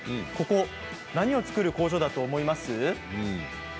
ここ何を作る工場だと思いますか。